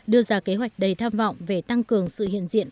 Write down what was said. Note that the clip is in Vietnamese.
đưa ra kế hoạch đầy tham vọng về tăng cường sự hiện diện